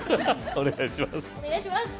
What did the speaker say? お願いします